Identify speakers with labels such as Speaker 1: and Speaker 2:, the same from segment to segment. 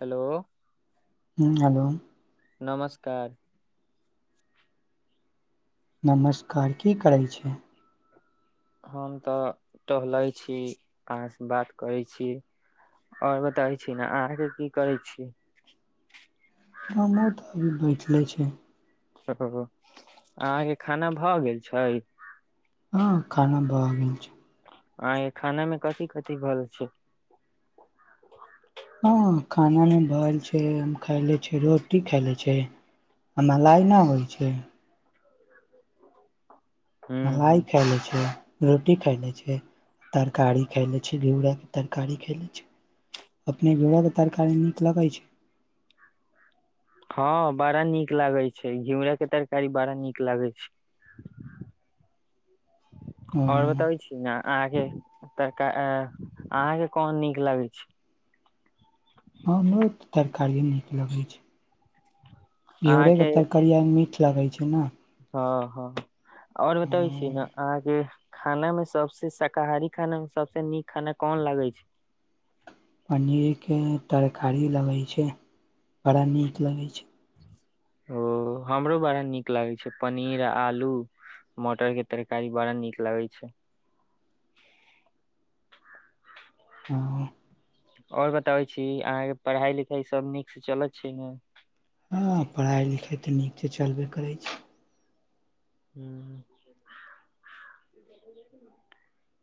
Speaker 1: Hello
Speaker 2: हँ hello
Speaker 1: नमस्कार
Speaker 2: नमस्कार की करै छि
Speaker 1: हम तऽ टहलै छी आहाँसँ बात करै छी आओर बताबै छी ने अहाँके की करै छी
Speaker 2: हमु तऽ अभी बैठले छि
Speaker 1: [unintelligible] अहाँके खाना भऽ गेल छय
Speaker 2: हँ खाना भव गेल छै।
Speaker 1: आ य खाना मे कथि कथि भेलऽ छै।
Speaker 2: हँ खानामे भ एल छै हम खैले रोटी खाले छै आ मलाइ न होइ छै मलाइ
Speaker 1: ह
Speaker 2: खाय ले छिय रोटी खैले छै तरकारी खैले छै घेउराके तरकारी खैले छै अपने घड़ो के तरकारी नीक लगै छै
Speaker 1: हॅं बड़ा नीक लागै छै। घियूरा के तरकारी बड़ा नीक लागै छै।
Speaker 2: ओ
Speaker 1: आओर बताबै छी। आहाँ के तरका आ अहा के कोन नीक लगै छै।
Speaker 2: हमरो तऽ तरकारिए नीक लगै छै।
Speaker 1: अहाँके
Speaker 2: घिउरेके तरकारीया मीठ लगै छै न
Speaker 1: हँ हँ आओर बतबै छीन अहाँके खाने मे सबसे शाकाहारी खाना मे सबस नीक खाना कोन लागै छै?
Speaker 2: पनीर के तरकारी लगै छै। बड़ा नीक लगै छै।
Speaker 1: ओ हमरो बड़ा नीक लागै छै। पनीर आ आलू मोटर के तरकारी बड़ा नीक लागै छै।
Speaker 2: हूँ
Speaker 1: आओर बताबै छी। अहाँ के पढ़ाई लिखाई सब नीक से चलत छै। ने
Speaker 2: हँ पढ़ाइ लिखाइ तऽ नीक स चलबे करै छै।
Speaker 1: हू।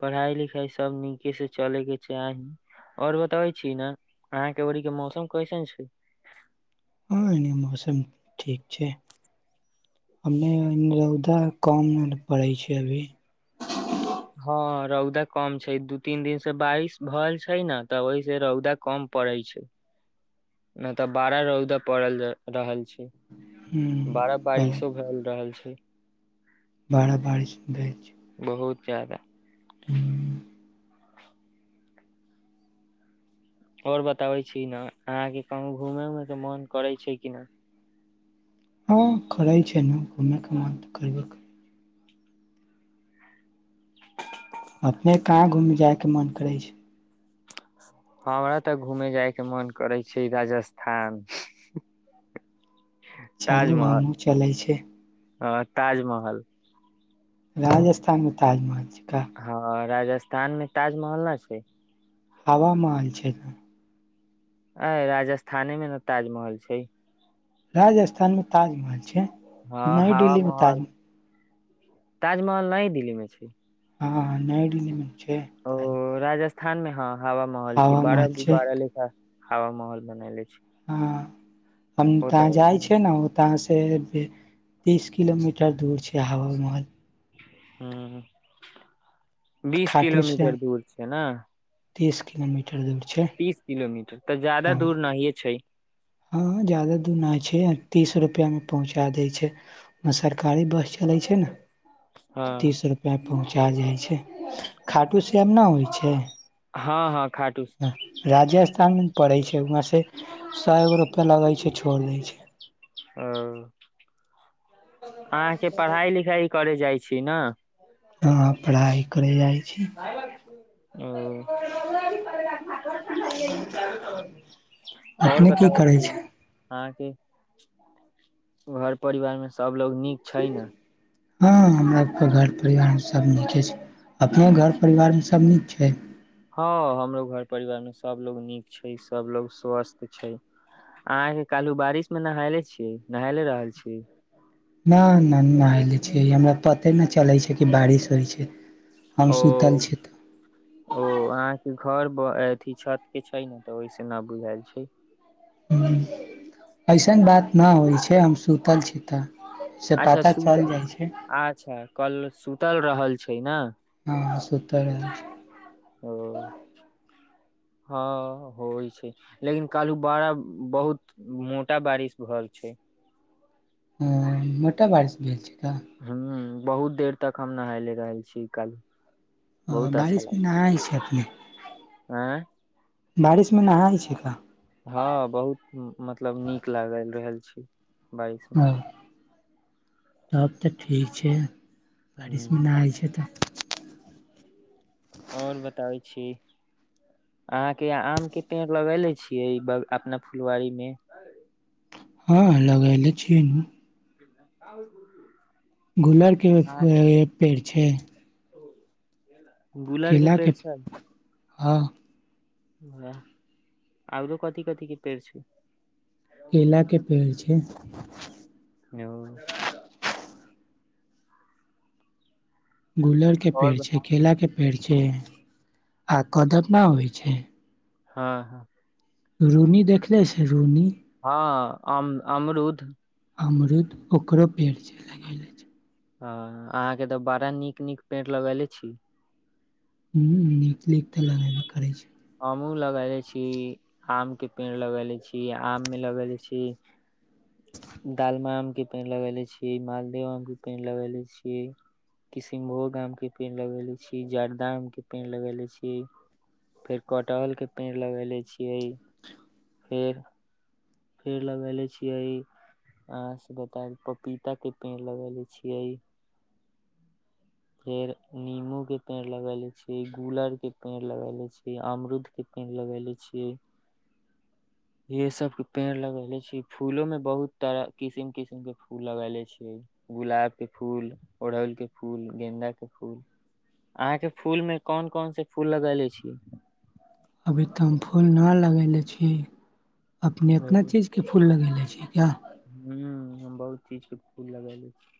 Speaker 1: पढ़ाई लिखाई सब नीके से चलै के चाही। आओर बतबै छी न अहाँ के ओरी के मौसम कैसन छै।
Speaker 2: हँ एहने मौसम ठीक छै हमने रौदा कम पड़ै छै अभी
Speaker 1: हँ रौदा कम छै दू तीन दिन से बारिश भ छै न तऽ ओईसे रौदा कम पड़ै छै नय तऽ बारा रौदा पड़ल ज रहल छै
Speaker 2: ह्म
Speaker 1: बारा
Speaker 2: बड़ा
Speaker 1: बारीशो भेल रहल छै।
Speaker 2: बाड़ा बारिश भेल छै।
Speaker 1: बहुत जैदा।
Speaker 2: हूँ।
Speaker 1: आओर बताबै छीन अहाँके कहुं घूमे उमे के मोन करै छै कि न?
Speaker 2: हँ करे छै न घूमे के मोन त करबे कर अपने कहाँ घूमि जायके मन करै छै।
Speaker 1: हमरा तऽ घूमे जाय के मोन करै छै राजस्थान।
Speaker 2: चलू
Speaker 1: ताजमहल
Speaker 2: हमहूँ चलै छै
Speaker 1: हँ ताजमहल।
Speaker 2: राजस्थान मे ताजमहल छिका।
Speaker 1: हँ राजस्थान मे ताजमहल न छै।
Speaker 2: हवा मान छै ने
Speaker 1: ऐ राजस्थाने मे न ताजमहल छै।
Speaker 2: राजस्थानमे ताजमहल छै। कि
Speaker 1: हँ
Speaker 2: नई
Speaker 1: हवा
Speaker 2: डिल्ली मे
Speaker 1: महल
Speaker 2: ताजमहल।
Speaker 1: ताजमहल नई दिल्ली मे छै।
Speaker 2: हँ नई डिल्ली मे न छै
Speaker 1: ओ
Speaker 2: ता
Speaker 1: राजस्थान मे ह हवा महल छै।
Speaker 2: महल छै
Speaker 1: बारह लेखा हवा महल बनेले छै।
Speaker 2: हँ हम ताऽ
Speaker 1: ओतहि
Speaker 2: जाइ छै न ताँहाँ से तीस किलोमीटर दूर छै। हवामहल।
Speaker 1: हू बीस
Speaker 2: खाटूसँ
Speaker 1: किलोमीटर दूर छै न
Speaker 2: तीस किलोमी टर्जेंट छै
Speaker 1: तीस किलोमीटर तऽ जायदा
Speaker 2: हँ
Speaker 1: दूर नहिये छै
Speaker 2: हँ जदा दूर न छै तीस रुपैया मे पहुँचा दै छै सरकारी बस चलै छै न
Speaker 1: हँ
Speaker 2: तीस रुपैआ पहुँचा जाइ छै। खाटू श्याम न होइ छै।
Speaker 1: हँ हँ खाटुश्
Speaker 2: राजस्थानमे न पड़ै छ वहाँसे सए गो रुपैआ लगै छै। छोड़ि दै छै।
Speaker 1: ओ अहाँके पढ़ाई लिखाई करे जाइ छीन
Speaker 2: हँ हँ पढ़ाइ करै जाइ छी।
Speaker 1: ओ।
Speaker 2: [unintelligible] अपने की करै छी
Speaker 1: आहाँ के घर परिवार मे सबलोग नीक छै न
Speaker 2: हँ हमरा [unintelligible] घर परिवार मे सब नीके छै अपने घर परिवारमे सब नीक छै
Speaker 1: हँ हमरो घर परिवार मे सभलोग नीक छै सभलोग स्वस्त छै अहाँ के काहलू बारिश मे नहयले छीयै नहयले रहल छीय
Speaker 2: न न नएले छी हमरा पते न चलै छै कि बारिश होइ छै हम सुतल छी तऽ
Speaker 1: [unintelligible] ओ अहाँकेँ घर अथी छत केँ छै नऽ तऽ ओहि से नऽ बुझल छै
Speaker 2: [unintelligible] अइसन बात न होइ छै हम सुतल छी तऽ से
Speaker 1: अच्छा
Speaker 2: पता चल
Speaker 1: सुतल
Speaker 2: जाइ छै
Speaker 1: [inaudible] अच्छा कल सुतल रहल छै न
Speaker 2: हँ सुत रहल
Speaker 1: ओ हँ होइ छै लेकिन कहलू बड़ा बहुत मोटा बारिश भऽ छै
Speaker 2: ह मोटा बारिश भेल छै का
Speaker 1: हू बहुत देर तक हम नहाय रहल छी कल
Speaker 2: बारिशमे नहाय छै अखनी
Speaker 1: आय
Speaker 2: [inaudible] बारिशमे नहाय छै कहाँ
Speaker 1: हँ बहुत मतलब नीक लागल रहल छै
Speaker 2: ह [inaudible] तब तऽ ठीक छै [inaudible] बारिशमे
Speaker 1: हूँ,
Speaker 2: नहाय छै तऽ
Speaker 1: ओर बताबै छी अहाँ केँ आम केँ पेड़ लगेले छियै अपना फुलवाारी में
Speaker 2: हँ लगले छियै नु
Speaker 1: [unintelligible]
Speaker 2: गुलर केँ
Speaker 1: आ
Speaker 2: पेड़ छै
Speaker 1: गुलर के
Speaker 2: केला
Speaker 1: पेड़
Speaker 2: केँ
Speaker 1: छै
Speaker 2: [inaudible] हँ
Speaker 1: वएह [inaudible] औरो कथी कथी केँ पेड़ छै
Speaker 2: केला केँ पेड़ छै
Speaker 1: [unintelligible]
Speaker 2: गुलर केँ पेड़
Speaker 1: और
Speaker 2: छै केला केँ पेड़ छै आ कदम ना होइ छै
Speaker 1: हँ हँ
Speaker 2: रूनी देखले छै रूनी
Speaker 1: हँ अम अमरुद
Speaker 2: अमरुद ओकरो पेड़ छै लगेले छै
Speaker 1: ह अहाँ केँ तऽ बड़ा नीक नीक पेंड़ लगेले छी
Speaker 2: [unintelligible] नीक तऽ लगेबे करै छै
Speaker 1: हमहूँ लगेले छी आम केँ पेड़ लगेले छी आम मे लगेे छी [inaudible] दालम आम कऽ पेड़ लगेले छिये मालदेव आम केँ पेड़ लगेले छीये किशनभोग आम केँ पेड़ लगेले छी जर्दा आम केँ पेड़ लगेले छी। फेर कटहल केँ पेड़ लगेेले छियै फेर फेर लगेले छियै अहाँ से बतैब पपीता कें पेड़ लगेले छीयै। फेर नीमू केँ पेड़ लगेले छि गुलर केँ पेड़ लगेले छी अमरूद केँ पेड़ लगेले छीयै ये सब केँ पेड़ लगेले छी फूलो में बहुत तरह किसिम किसिम केँ फूल लगेले छी गुलाब केँ फूल ओड़हल केँ फूल गेन्दाक केँ फूल अहाँ केँ फूल में कोन कोन से फूल लगेले छी
Speaker 2: अभी तऽ हम फूल न लगेेले छी [inaudible] अपने एतना चीज केँ फूल लगेने छियै किया
Speaker 1: हू हम बहुत चीज केँ फूल लगेले छी।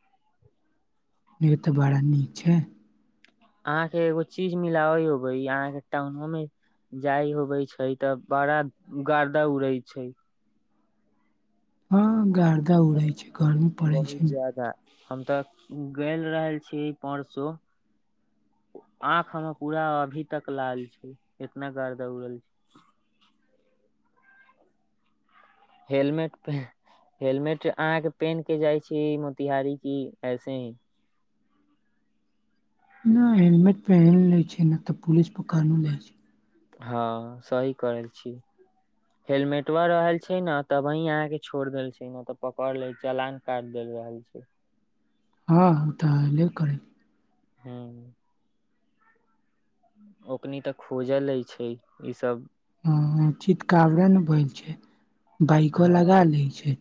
Speaker 2: यै तऽ बड़ा नीक छैय।
Speaker 1: अहाँ केँ एगो चीज मिलबै यौ अहाँ केँ टाउनो मे जाय होवे छै तऽ बड़ा गर्दा उड़ै छैय।
Speaker 2: ह गरदा उड़ै छैय।
Speaker 1: बहुत जादा हम तऽ गेल रहल छीयै परसो [inaudible] आंख हमर पूरा अभी तक लाल छैय एतना गरदा उड़ल छैय। हेलमेट पेह हेलमेट अहाँ केँ पेहेन केँ जाइ छी मोतिहारी की ऐसे ही।
Speaker 2: नै हेलमेट पेहेन लै छै नऽ तऽ पुलिस पकड़ नु लै छैय।
Speaker 1: ह सही करल छी। हेलमेटवा रहल छैय न तब ही आहाँकेँ छोड़ द छैय न तऽ पकड़ ले चलान काट देल रहल छैय।
Speaker 2: हँ ओ तऽ अले करै।
Speaker 1: [unintelligible] ओकनी तऽ खोजल ले छैय इ सब।
Speaker 2: [unintelligible] चितकावरे नहि भैय छैय। बाइकबा लगा
Speaker 1: हँ
Speaker 2: लै छैय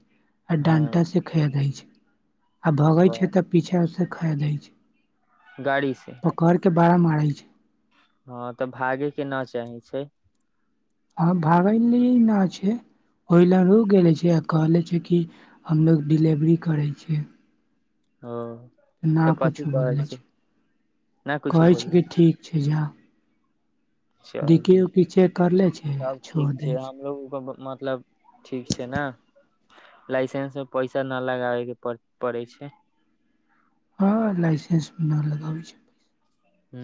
Speaker 2: आ
Speaker 1: हँ
Speaker 2: डण्टासे खहेदै छैय। आ भगै छैय
Speaker 1: ब-
Speaker 2: तऽ पीछासँ खहदै छैय।
Speaker 1: गाड़ी से
Speaker 2: पकड़ कऽ बड़ा मारै छैय।
Speaker 1: ह तऽ भागे केँ न चाही छैय।
Speaker 2: है भागलिय न छै ओहि लए रुक गेले छिय कहले छै कि हमलोग डिलेवरी करै छियै।
Speaker 1: [unintelligible] तऽ
Speaker 2: नहि
Speaker 1: कथी
Speaker 2: किुछो
Speaker 1: कहल
Speaker 2: बोलै
Speaker 1: छै
Speaker 2: छैय
Speaker 1: नहि
Speaker 2: [inaudible]
Speaker 1: कुछो
Speaker 2: कहै छै
Speaker 1: बोलली
Speaker 2: कि ठीक छैय जा डीकि
Speaker 1: चलिय
Speaker 2: उकि जेक करले छै आ
Speaker 1: सब
Speaker 2: छोड़
Speaker 1: ठीक
Speaker 2: दै
Speaker 1: छैय
Speaker 2: छै
Speaker 1: हमलोग केँ मतलब ठीक छैय ना लाइसेंस मे पैसा नै लगाबै केँ पड़ै छैय।
Speaker 2: हँ लाइसेंस नहि लगाबै छैय।
Speaker 1: हू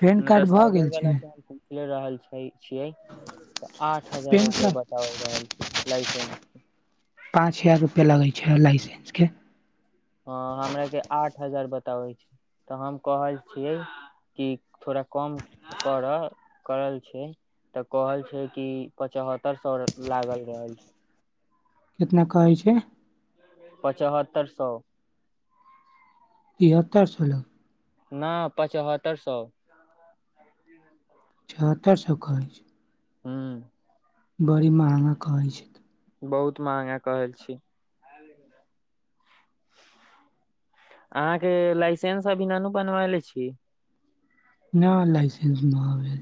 Speaker 2: पेन
Speaker 1: [inaudible] नहि तऽ
Speaker 2: कार्ड भऽ
Speaker 1: साइबर
Speaker 2: गेल छै
Speaker 1: बला स ले रहल छै छियै तऽ आठ हजार
Speaker 2: पेन
Speaker 1: रुपआ
Speaker 2: कार्ड
Speaker 1: ब दोअ रहल छै लाइसेन्स।
Speaker 2: पाँच हजार रुपैआ लगै छैय लाइसेन्स केँ।
Speaker 1: ह हमरा केँ आठ हजार बताबै छैय तऽ हम कहय छियै कि थोड़ा कम करऽ करल छियै तऽ कहल छैय कि पचहत्तर सौ लागल रहल छैय।
Speaker 2: कितना कहैय छैय।
Speaker 1: पचहत्तर सौ
Speaker 2: तिहत्तर सौ
Speaker 1: ना पचहत्तर सौ
Speaker 2: छहत्तरि सौ कहै छै
Speaker 1: हूँ
Speaker 2: बड़ी महंगा कहै छैय।
Speaker 1: बहुत महंगा कहय छी। अहाँकेँ लाइसेंस अभी नऽनु बनबेलै छि।
Speaker 2: नऽ लाइसेन्स नऽअभी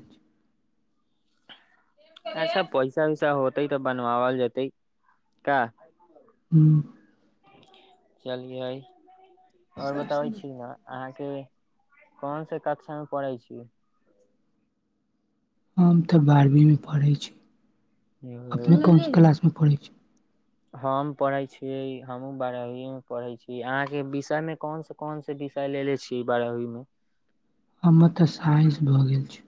Speaker 1: अच्छ पैसा वैसा होतै तऽ बन बाबल जेतै का
Speaker 2: [unintelligible]
Speaker 1: [inaudible] चलियइ [inaudible] ओर बताबै छी न अहाँकेँ कोन स कक्षा मे पढ़े छी
Speaker 2: हम तऽ बारहवींमे पढ़ै छी [unintelligible] अपने कोन स क्लासमे पढ़ै छी
Speaker 1: हम पढ़े छीय हमहूँ बारहवीं म पढ़े छी अहाँ केँ विषय मे कोन स कोन से विषय लेले छि बारहवीं मे
Speaker 2: हमर तऽ साइंस भऽ गेल छै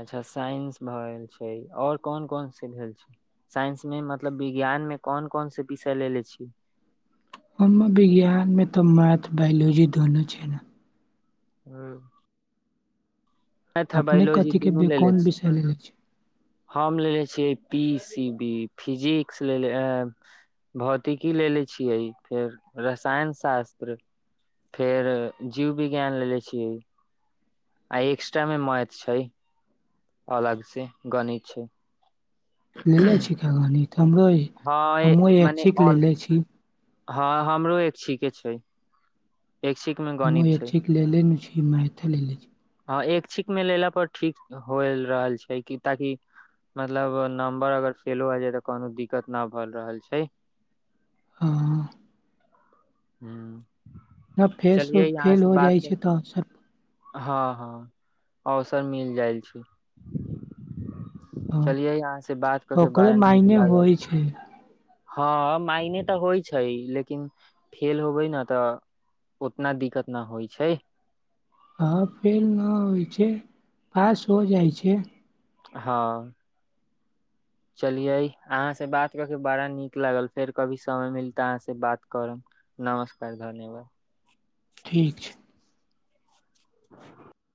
Speaker 1: अच्छा साइंस भए गेल छै ओर कोन कोन से भेल छै साइंस में मतलब विज्ञान में कोन कोन से विषय लेेले छि
Speaker 2: कोनो विज्ञानमे तऽ मैथ बायोलॉजी दुनू छै न
Speaker 1: [unintelligible] मैथ आ
Speaker 2: अपने
Speaker 1: बायोलॉजी
Speaker 2: कथी
Speaker 1: दुनू
Speaker 2: के
Speaker 1: लेले
Speaker 2: कोन
Speaker 1: छि [inaudible]
Speaker 2: विषय लेले छी
Speaker 1: हम लेलेे छियै पी सी बी फिजिक्स लेलेे अ भौतिकी लेलेे छियै फेर रसायन शास्त्र फेर जीव विज्ञान लेलेे छियै आ एक्स्ट्रा मे मैथ छै अलग से गणित छै
Speaker 2: लेले छी का गणित हमरो
Speaker 1: हँ
Speaker 2: हमहुँ
Speaker 1: मने
Speaker 2: एक्षिक
Speaker 1: ऑल
Speaker 2: लेले छी
Speaker 1: हँ हमरो ऐैक्षिक केँ छै ऐक्षिक
Speaker 2: हम हूँ ऐैक्षिक लेलेे न छी मैथली लेकिन
Speaker 1: हँ ऐैक्षिक मे लेला पर ठीक हो रहल छै कि ताकि मतलब नंबर अगर फेलो आ जाय तऽ कोनो दिक्कत न भए रहल छै
Speaker 2: [unintelligible]
Speaker 1: [inaudible] हूँ
Speaker 2: न फेस फेल हो जाइ छै तऽ अबसर
Speaker 1: हँ हँ अवसर मिल जाइ छै [inaudible]
Speaker 2: हँ
Speaker 1: चलियै अहाँसँ बात कऽ केँ
Speaker 2: ओकरो
Speaker 1: बड़ा नीक
Speaker 2: मायने
Speaker 1: लागल
Speaker 2: होइ छै
Speaker 1: [inaudible] हँ मायने तऽ होइ छै लेकिन फेल होबै न तऽ उतना दिक्कत न होइ छै
Speaker 2: हँ फेल ना होइ छै पास हो जाइ छै
Speaker 1: हाँ [inaudible] चलिये अहाँ से बात कऽ केँ बड़ा नीक लागल फेर कभी समय मिलतै अहाँ से बात करब नमस्कार धन्यवाद
Speaker 2: ठीक छै
Speaker 1: [unintelligible]